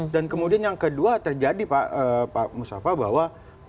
dan kemudian yang kedua terjadi pak musyafa bahwa